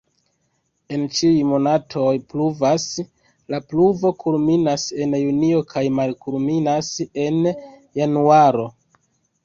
En ĉiuj monatoj pluvas, la pluvo kulminas en junio kaj malkulminas en januaro.